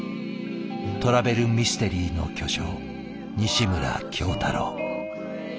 トラベルミステリーの巨匠西村京太郎。